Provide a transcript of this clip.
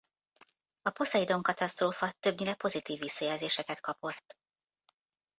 A Poszeidon katasztrófa többnyire pozitív visszajelzéseket kapott.